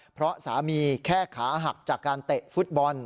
เพราะสามีแค่ขาหักจากการเตะฟุตบอล